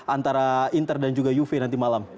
antara inter dan juga juve nanti malam